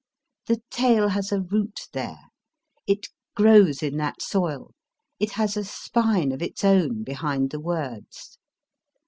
The tale has a root there ; it grows in that soil ; it has a spine of its own behind the words.